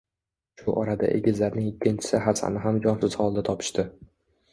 Shu orada egizlarning ikkinchisi Hasanni ham jonsiz holda topishdi